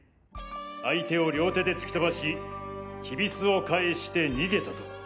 「相手を両手で突き飛ばし踵を返して逃げた」と。